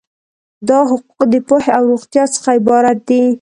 دا حقوق د پوهې او روغتیا څخه عبارت دي.